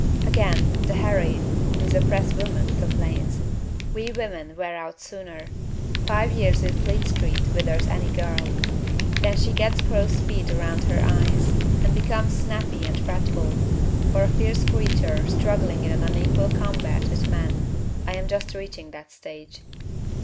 Again, the heroine, who is a press woman, complains: "We women wear out sooner. Five years in Fleet Street withers any girl. Then she gets crow's feet round her eyes and becomes snappy and fretful, or a fierce creature struggling in an unequal combat with men. I am just reaching that stage."